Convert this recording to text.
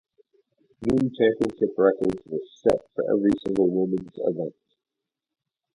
New championship records were set for every single women's event.